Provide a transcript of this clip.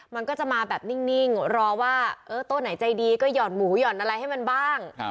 มันก็จะมาแบบนิ่งรอว่าโต๊ะไหนใจดีก็ห่อนหมูหย่อนอะไรให้มันบ้าง